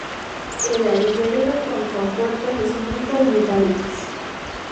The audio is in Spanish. El aliviadero con compuertas de cemento y metálicas.